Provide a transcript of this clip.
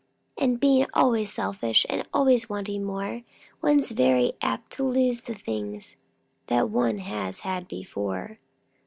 And being always selfish and always wanting more, One's very apt to lose the things that one has had before."